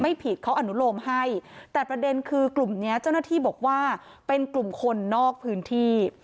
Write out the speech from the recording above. ผิดเขาอนุโลมให้แต่ประเด็นคือกลุ่มเนี้ยเจ้าหน้าที่บอกว่าเป็นกลุ่มคนนอกพื้นที่